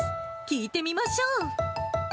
聞いてみましょう。